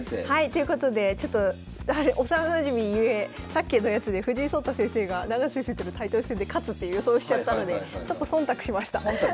ということでちょっと幼なじみゆえさっきのやつで藤井聡太先生が永瀬先生とのタイトル戦で勝つって予想しちゃったのでちょっと忖度しました。